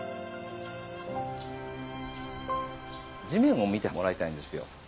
地面を見てもらいたいんですよ。